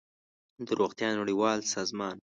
د روغتیا نړیوال سازمان